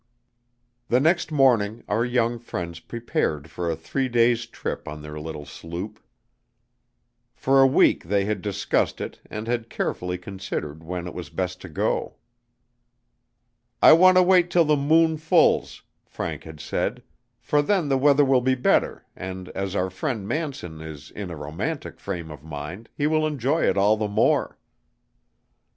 The next morning our young friends prepared for a three days' trip on their little sloop. For a week they had discussed it and had carefully considered when it was best to go. "I want to wait till the moon fulls," Frank had said, "for then the weather will be better, and as our friend Manson is in a romantic frame of mind, he will enjoy it all the more."